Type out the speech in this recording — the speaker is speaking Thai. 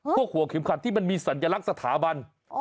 หัวเข็มขัดที่มันมีสัญลักษณ์สถาบัน